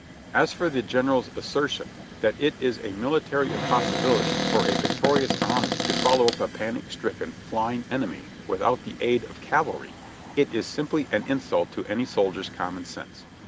As for the General's assertion that it is a military impossibility for a victorious army to follow up a panic stricken, flying enemy without the aid of cavalry, it is simply an insult to any soldier's common sense.